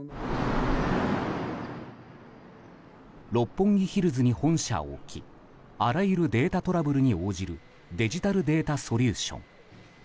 六本木ヒルズに本社を置きあらゆるデータトラブルに応じるデジタルデータソリューション。